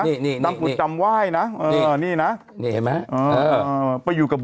นี่นี่นี่ทั้งคุณจำไหว้นะนี่น่ะนี่เห็นไหมเออไปอยู่กับ